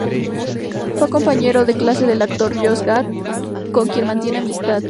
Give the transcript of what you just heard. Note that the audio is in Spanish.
Fue compañero de clase del actor Josh Gad, con quien mantiene amistad.